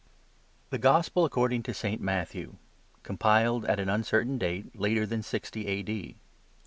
THE GOSPEL ACCORDING TO ST. MATTHEW. COMPILED AT AN UNCERTAIN DATE LATER THAN 60 A.D.